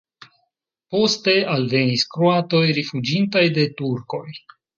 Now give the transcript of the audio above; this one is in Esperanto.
Poste alvenis kroatoj rifuĝintaj de turkoj.